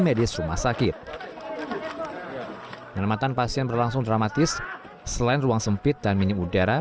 medis rumah sakit penyelamatan pasien berlangsung dramatis selain ruang sempit dan minim udara